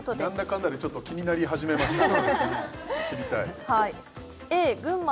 かんだでちょっと気になり始めました